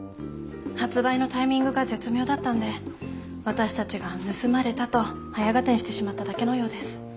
発売のタイミングが絶妙だったんで私たちが盗まれたと早合点してしまっただけのようです。